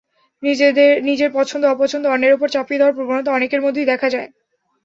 নিজের পছন্দ-অপছন্দ অন্যের ওপর চাপিয়ে দেওয়ার প্রবণতা অনেকের মধ্যেই দেখা যায়।